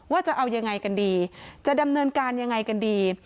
จะเอายังไงกันดีจะดำเนินการยังไงกันดี